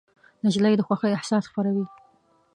نجلۍ د خوښۍ احساس خپروي.